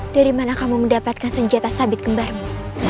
dari mana kamu mendapatkan senjata sabit kembali